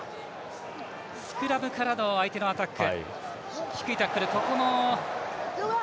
スクラムからの相手のアタック。